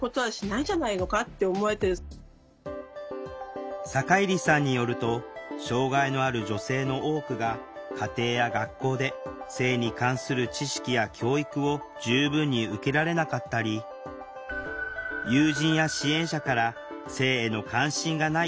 そこに更に坂入さんによると障害のある女性の多くが家庭や学校で性に関する知識や教育を十分に受けられなかったり友人や支援者から「性への関心がない」と思われたりするんだそう。